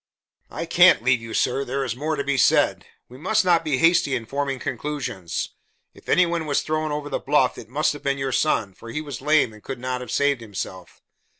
"I can't leave you, sir: there is more to be said. We must not be hasty in forming conclusions. If any one was thrown over the bluff, it must have been your son, for he was lame and could not have saved himself.